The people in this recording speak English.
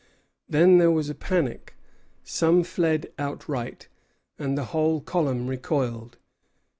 Then there was a panic; some fled outright, and the whole column recoiled.